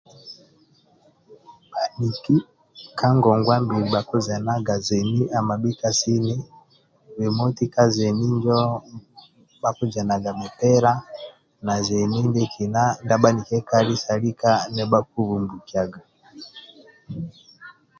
Bhaniki ka ngongua mbili bhakuzenaga zeni mabhika sini be moti ka zeni njo bhakuzenaga mupila na zeni ndie kina ndia bhanikiekali sa lika nibhakibumbukiaga